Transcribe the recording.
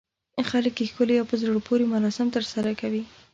خلک یې ښکلي او په زړه پورې مراسم ترسره کوي.